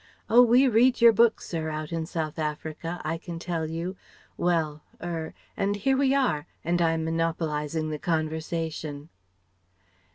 Oh, we read your books, sir, out in South Africa, I can tell you Well er and here we are and I'm monopolizing the conversation."